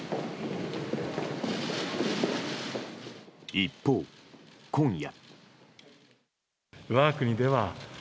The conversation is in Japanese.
一方、今夜。